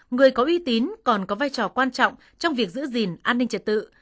người có uy tín còn có vai trò quan trọng trong việc giữ gìn an ninh trật tự